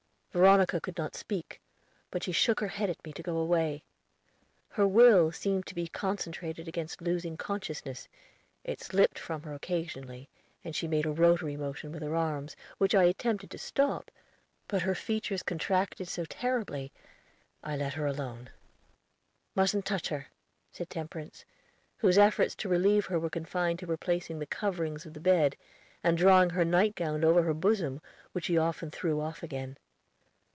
Veronica could not speak, but she shook her head at me to go away. Her will seemed to be concentrated against losing consciousness; it slipped from her occasionally, and she made a rotary motion with her arms, which I attempted to stop, but her features contracted so terribly, I let her alone. "Mustn't touch her," said Temperance, whose efforts to relieve her were confined to replacing the coverings of the bed, and drawing her nightgown over her bosom, which she often threw off again.